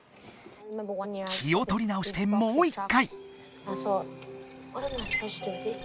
気をとり直してもう一回。